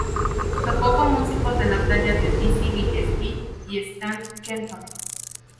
Tocó con músicos de la talla de Dizzy Gillespie y Stan Kenton.